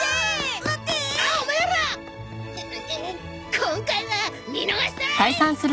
今回は見逃したらあ！